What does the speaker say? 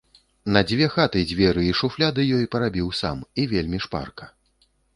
На дзве хаты дзверы і шуфляды ёй парабіў сам, і вельмі шпарка.